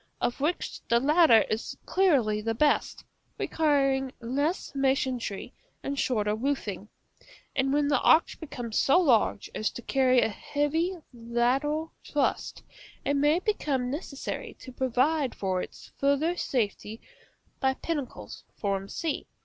of which the latter is clearly the best, requiring less masonry and shorter roofing; and when the arch becomes so large as to cause a heavy lateral thrust, it may become necessary to provide for its farther safety by pinnacles, c.